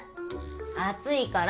熱いから。